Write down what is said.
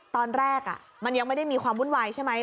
ตอนแรกมันยังไม่ได้มีความวุ่นวายใช่ไหม